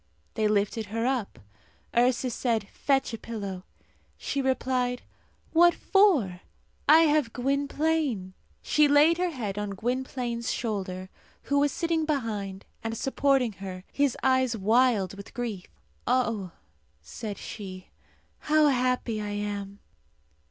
They lifted her up. Ursus said, "Fetch a pillow." She replied, "What for? I have Gwynplaine!" She laid her head on Gwynplaine's shoulder, who was sitting behind, and supporting her, his eyes wild with grief. "Oh," said she, "how happy I am!"